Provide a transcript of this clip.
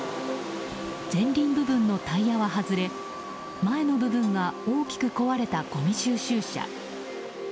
前輪部分のタイヤは外れ前の部分が大きく壊れたごみ収集車。